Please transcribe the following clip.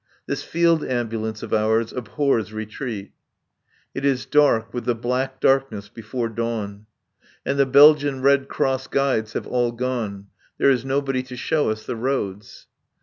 This Field Ambulance of ours abhors retreat. It is dark with the black darkness before dawn. And the Belgian Red Cross guides have all gone. There is nobody to show us the roads.